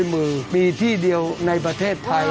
แห่งเดียวในประเทศไทย